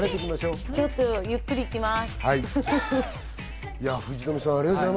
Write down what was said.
ちょっとゆっくり行きます。